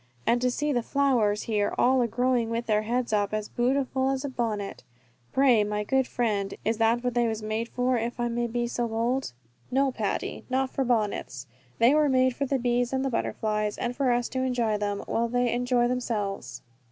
And to see the flowers here all a growing with their heads up as bootiful as a bonnet. Pray, my good friend, is that what they was made for, if I may be so bold?" "No, Patty, not for bonnets. They were made for the bees and the butterflies, and for us to enjoy them, while they enjoy themselves."